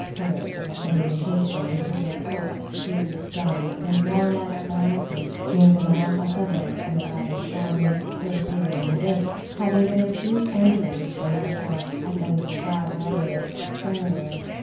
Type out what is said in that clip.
394]a communication through a court strewed with guns and warlike apparatus, between the Manakhah Suburb and the Bab al Shami, or the Syrian Gate. Having been refused entrance into the fort, I can describe only its exterior.